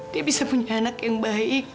dia bisa punya anak yang baik